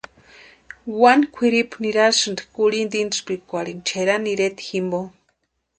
Wani kwʼiripu nirasïnti kurhinta intspikwarhini Cherani ireta jimpo.